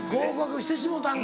「してしもうたんか」